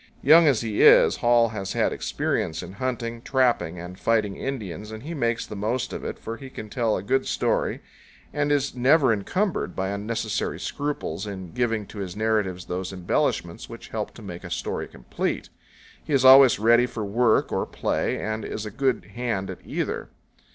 Young as he is, Hall has had experience in hunting, trapping, and fighting Indians, and he makes the most of it, for he can tell a good story, and is never encumbered by unnecessary scruples in giving to his narratives those embellishments which help to make a story complete. He is always ready for work or play and is a good hand at either.